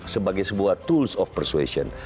sebagai sebuah tools of persuasion